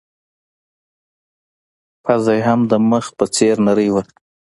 پزه يې هم د مخ په څېر نرۍ وه.